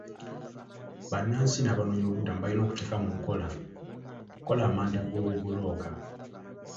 Bannansi n'abanoonyiboobubudamu balina okuteeka mu nkola okukola amanda g'obubulooka.